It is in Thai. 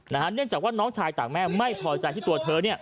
เนื่องจากว่าน้องชายต่างแม่ไม่พอใจที่ตัวเธอ